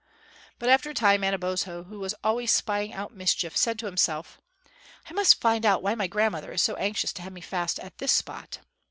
But after a time Manabozho, who was always spying out mischief, said to himself, "I must find out why my grandmother is so anxious to have me fast at this spot."